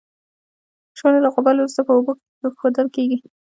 شولې له غوبل وروسته په اوبو کې اېښودل کیږي.